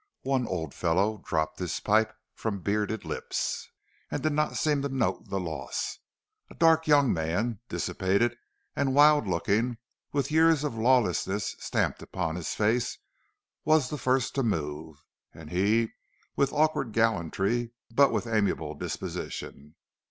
One old fellow dropped his pipe from bearded lips and did not seem to note the loss. A dark young man, dissipated and wild looking, with years of lawlessness stamped upon his face, was the first to move; and he, with awkward gallantry, but with amiable disposition.